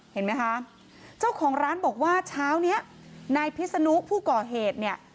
เห็นไหมคะเจ้าของร้านบอกว่าเช้านี้นายพิษนุผู้ก่อเหตุเนี่ย